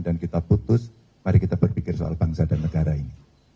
dan kita putus mari kita berpikir soal bangsa dan negara ini